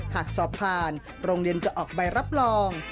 หากสอบผ่านโรงเรียนจะออกใบรับรอง